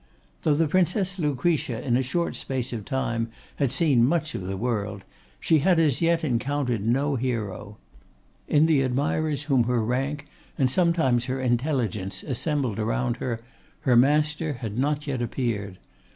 Though the Princess Lucretia in a short space of time had seen much of the world, she had as yet encountered no hero. In the admirers whom her rank, and sometimes her intelligence, assembled around her, her master had not yet appeared.